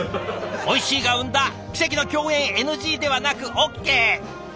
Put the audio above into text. おいしいが生んだ奇跡の共演ＮＧではなくＯＫ！